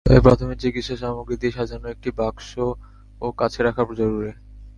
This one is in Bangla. তাই প্রাথমিক চিকিৎসার সামগ্রী দিয়ে সাজানো একটি বাক্সও কাছে রাখা জরুরি।